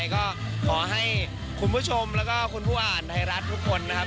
ก็ขอให้คุณผู้ชมแล้วก็คุณผู้อ่านไทยรัฐทุกคนนะครับ